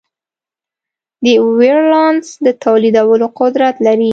د وایرولانس د تولیدولو قدرت لري.